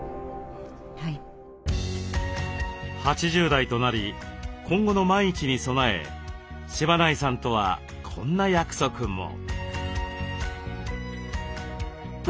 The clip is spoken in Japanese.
８０代となり今後の万一に備え柴内さんとはこんな約束も。